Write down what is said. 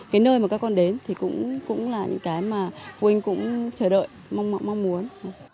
cái nơi mà các con đến thì cũng là những cái mà phụ huynh cũng chờ đợi mong muốn